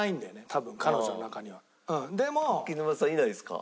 多分彼女の中には。でも。柿沼さんいないですか？